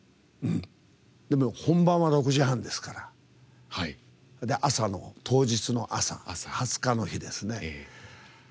でも本番は６時半ですから当日の朝２０日の日ですね。